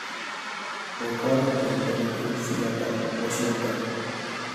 Recording Company in Seattle, Washington.